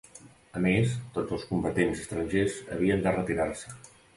A més, tots els combatents estrangers havien de retirar-se.